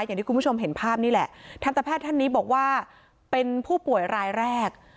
อย่างที่คุณผู้ชมเห็นภาพนี่แหละทันตแพทย์ท่านนี้บอกว่าเป็นผู้ป่วยรายแรก